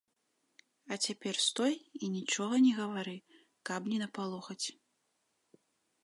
А цяпер стой і нічога не гавары, каб не напалохаць.